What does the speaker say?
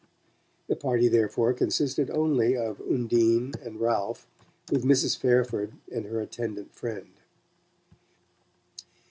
The party, therefore, consisted only of Undine and Ralph, with Mrs. Fairford and her attendant friend.